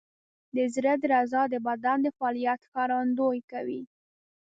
د زړه درزا د بدن د فعالیت ښکارندویي کوي.